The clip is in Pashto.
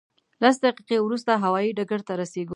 لس دقیقې وروسته هوایي ډګر ته رسېږو.